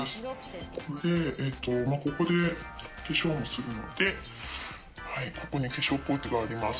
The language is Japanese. ここで化粧もするので、ここに化粧ポーチがあります。